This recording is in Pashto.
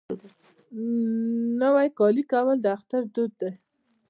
نوی کالی کول د اختر دود دی.